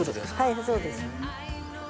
はいそうです。